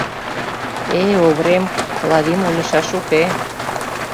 Э-э, Оврем, Клавим ойлышаш уке.